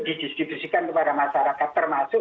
didistribusikan kepada masyarakat termasuk